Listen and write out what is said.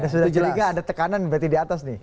tidak ada tekanan berarti di atas nih